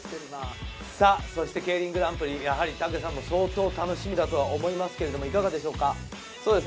そしてＫＥＩＲＩＮグランプリ、やはり武さんも相当楽しみだと思いますけど、いかがですか？